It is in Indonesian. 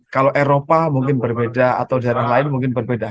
kalau eropa mungkin berbeda atau daerah lain mungkin berbeda